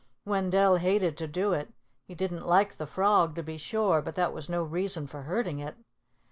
Wendell hated to do it. He didn't like the frog, to be sure, but that was no reason for hurting it.